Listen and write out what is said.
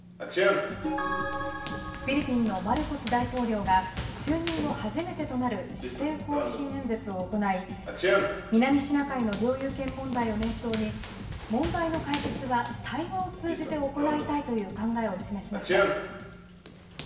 フィリピンのマルコス大統領が就任後、初めてとなる施政方針演説を行い南シナ海の領有権問題を念頭に問題の解決は対話を通じて行いたいという考えを示しました。